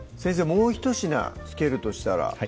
もうひと品付けるとしたら？